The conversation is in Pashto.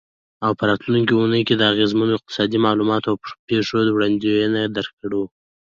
او په راتلونکې اونۍ کې د اغیزمنو اقتصادي معلوماتو او پیښو وړاندوینه درکړو.